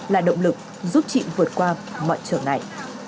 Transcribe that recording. là động lực giúp chị vượt qua mọi trường này